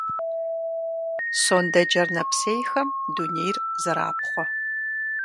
Сондэджэр нэпсейхэм дунейр зэрапхъуэ.